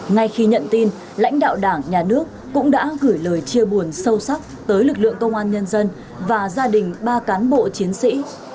ngay khi nhận tin lãnh đạo đảng nhà nước cũng đã gửi lời chia buồn sâu sắc tới lực lượng công an nhân dân và gia đình ba cán bộ chiến sĩ